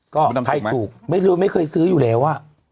ก็ใครถูกไม่เคยซื้ออยู่แล้ว